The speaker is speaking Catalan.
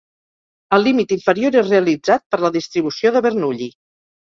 El límit inferior és realitzat per la distribució de Bernoulli.